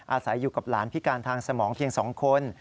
อาศัยอยู่กับหลานพิการทางสมองเพียง๒คน